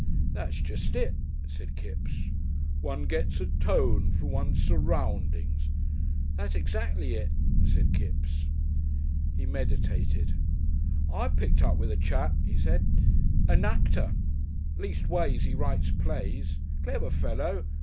"That's jest it," said Kipps. "One gets a tone from one's surroundings " "That's exactly it," said Kipps. He meditated. "I picked up with a chap," he said. "A Nacter. Leastways he writes plays. Clever fellow.